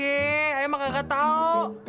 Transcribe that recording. emang gak tau